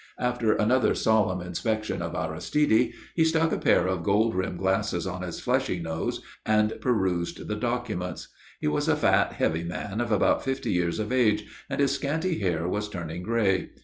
After another solemn inspection of Aristide, he stuck a pair of gold rimmed glasses on his fleshy nose and perused the documents. He was a fat, heavy man of about fifty years of age, and his scanty hair was turning grey.